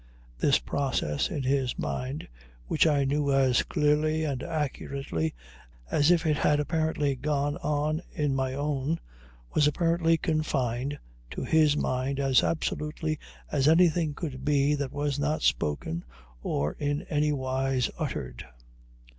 This process in his mind, which I knew as clearly and accurately as if it had apparently gone on in my own, was apparently confined to his mind as absolutely as anything could be that was not spoken or in any wise uttered.